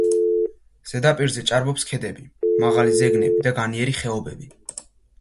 ზედაპირზე ჭარბობს ქედები, მაღალი ზეგნები და განიერი ხეობები.